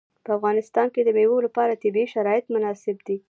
په افغانستان کې د مېوې لپاره طبیعي شرایط مناسب دي.